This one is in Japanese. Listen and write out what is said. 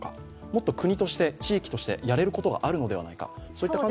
もっと国として、地域として、やれることがあるのではないか。